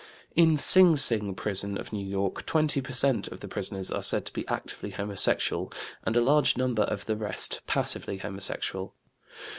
" In Sing Sing prison of New York, 20 per cent, of the prisoners are said to be actively homosexual and a large number of the rest passively homosexual.